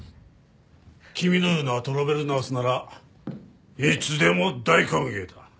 君のようなトラベルナースならいつでも大歓迎だ。ハハハ。